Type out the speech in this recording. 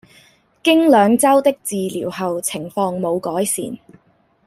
經兩周的治療後狀況無改善